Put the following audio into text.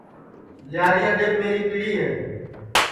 لیاری اڈؔیپ میری پڑی ہے